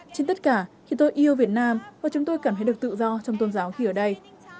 trên tất cả khi tôi yêu việt nam và chúng tôi cảm thấy được tự do trong tôn giáo khi ở đây